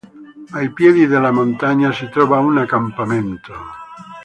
Ai piedi della montagna si trova un accampamento.